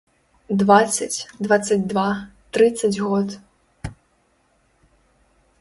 Дваццаць, дваццаць два, трыццаць год.